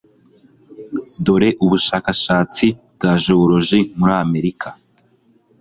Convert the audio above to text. dore'ubushakashatsi bwa Jewoloji muri Amerika